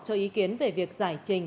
cho ý kiến về việc giải trình